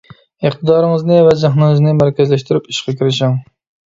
ئىقتىدارىڭىزنى ۋە زېھنىڭىزنى مەركەزلەشتۈرۈپ ئىشقا كىرىشىڭ.